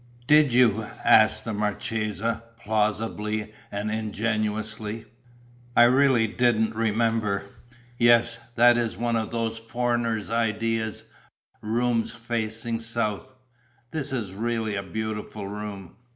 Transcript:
"Did you?" asked the marchesa, plausibly and ingenuously. "I really didn't remember. Yes, that is one of those foreigners' ideas: rooms facing south.... This is really a beautiful room."